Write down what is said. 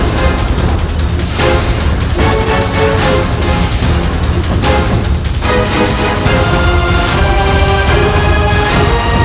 jurus pangong kasgura jamustik